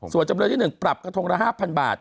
ส่วนจำเลยที่๑ปรับกระทงละ๕๐๐บาท